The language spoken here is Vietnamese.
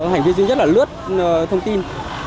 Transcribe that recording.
hành vi dưới rất là lướt thông tin